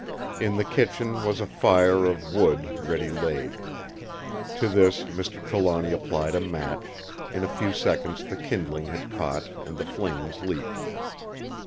In the kitchen was a fire of wood ready laid. To this Mr. Trelawny applied a match; in a few seconds the kindling had caught and the flames leaped.